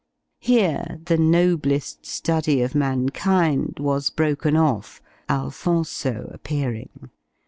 Here "the noblest study of mankind" was broken off Alphonso appearing.